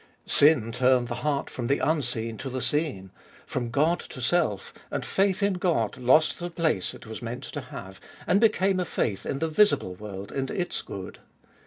Sin turned the heart from the unseen to the seen, from God to self, and faith in God lost the place it was meant to have, and became a faith in the visible world and its good.